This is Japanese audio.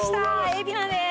海老名です。